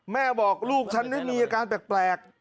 แม่บอกลูกฉันได้มีอาการแปลก